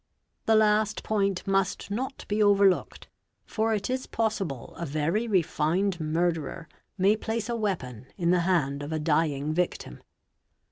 The last point must not be overlooked, for it 1s possible a very refined murderer may place a weapon in the hand of a dying victim.